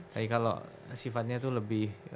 tapi kalau sifatnya itu lebih